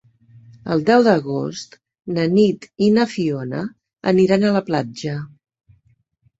El deu d'agost na Nit i na Fiona aniran a la platja.